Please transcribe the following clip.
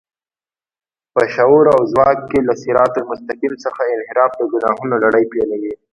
په شعور او ځواک کې له صراط المستقيم څخه انحراف د ګناهونو لړۍ پيلوي.